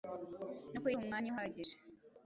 no kuyiha umwanya uhagije